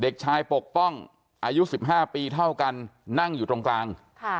เด็กชายปกป้องอายุ๑๕ปีเท่ากันนั่งอยู่ตรงกลาง